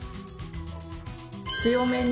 強めに。